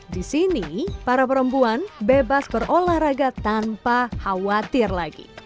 di sini para perempuan bebas berolahraga tanpa khawatir lagi